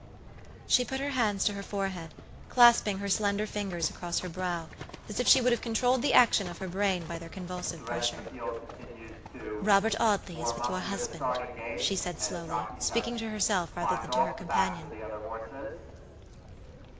She put her hands to her forehead, clasping her slender fingers across her brow, as if she would have controlled the action of her brain by their convulsive pressure. "Robert Audley is with your husband," she said, slowly, speaking to herself rather than to her companion.